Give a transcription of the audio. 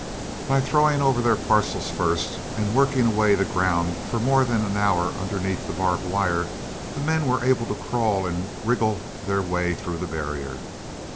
By throwing over their parcels first and working away the ground for more than an hour under the barbed wire, the men were able to crawl and wriggle their way through the barrier.